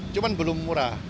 cuman belum murah